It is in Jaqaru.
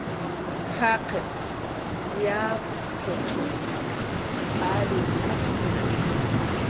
"Jaqin yapup"" t""arir maq""tna"